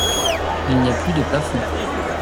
Il n’y a plus de plafond.